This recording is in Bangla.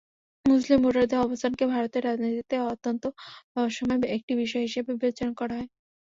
মুসলিম ভোটারদের অবস্থানকে ভারতের রাজনীতিতে অত্যন্ত রহস্যময় একটি বিষয় হিসেবে বিবেচনা করা হয়।